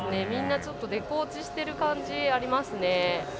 みんなちょっとデコ落ちしてる感じありますね。